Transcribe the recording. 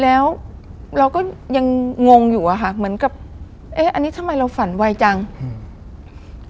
แล้วเราก็ยังงงอยู่อะค่ะเหมือนกับเอ๊ะอันนี้ทำไมเราฝันไวจังอืม